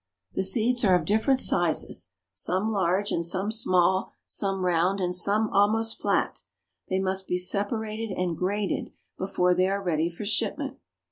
The seeds are of different sizes, some large and some small, some round and some almost flat. They must be separated and graded before they are ready for shipment.